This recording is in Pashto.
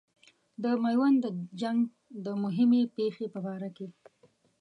د میوند د جنګ د مهمې پیښې په باره کې.